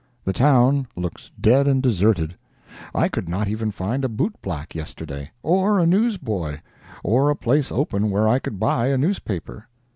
The town looks dead and deserted. I could not even find a bootblack yesterday, or a newsboy, or a place open where I could buy a newspaper.